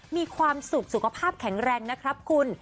มีความสุขสุขภาพแข็งแรงนะครับคุณ